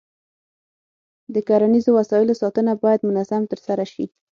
د کرنیزو وسایلو ساتنه باید منظم ترسره شي.